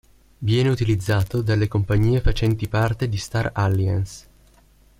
Viene utilizzato dalle compagnie facenti parte di Star Alliance.